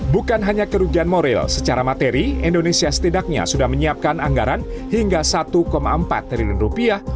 bukan hanya kerugian moral secara materi indonesia setidaknya sudah menyiapkan anggaran hingga satu empat triliun rupiah